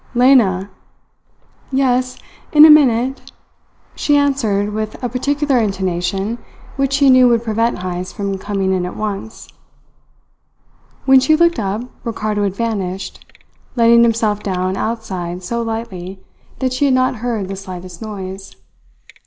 "Lena!" "Yes! In a minute," she answered with a particular intonation which she knew would prevent Heyst from coming in at once. When she looked up, Ricardo had vanished, letting himself down outside so lightly that she had not heard the slightest noise.